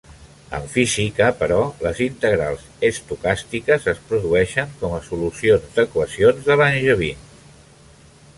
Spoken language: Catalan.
En física, però, les integrals estocàstiques es produeixen com a solucions d'equacions de Langevin.